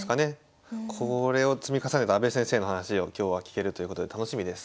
これを積み重ねた阿部先生の話を今日は聞けるということで楽しみです。